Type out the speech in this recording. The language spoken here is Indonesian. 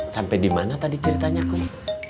sampai dimana tadi ceritanya kum